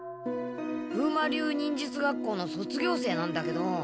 風魔流忍術学校の卒業生なんだけど。